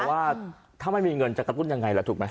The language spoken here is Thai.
แต่ว่าถ้าไม่มีเงินจะกระตุ้นยังไงล่ะถูกไหม